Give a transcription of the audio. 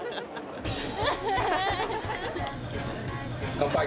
乾杯。